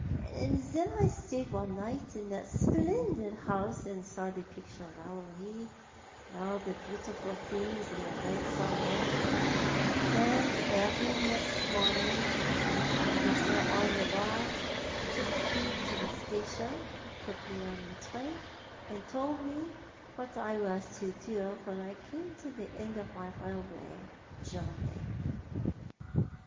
And then I stayed one night in that splendid house, and saw the picture gallery, and all the beau tiful things in the great saloon, and early next morning Mr. Orlebar took me to the station, and put me into the train, and told me what I was to do when I came to the end of my railway journey.